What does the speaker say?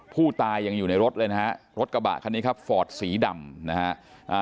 ผู้ตายยังอยู่ในรถเลยนะฮะรถกระบะคันนี้ครับฟอร์ดสีดำนะฮะ